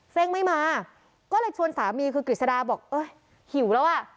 ่งไม่มาก็เลยชวนสามีคือกฤษฎาบอกเอ้ยหิวแล้วอ่ะ